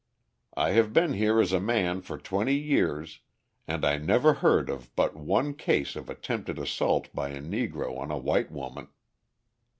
I have been here as a man for twenty years and I never heard of but one case of attempted assault by a Negro on a white woman.